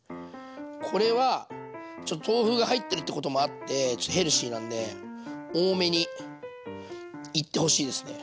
これは豆腐が入ってるってこともあってヘルシーなんで多めにいってほしいですね。